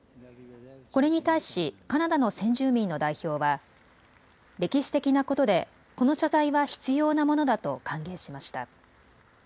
これに対しカナダの先住民の代表は歴史的なことでこの謝罪は必要なものだと歓迎しました。